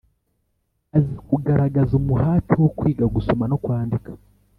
azi kugaragaza umuhati wo kwiga gusoma no kwandika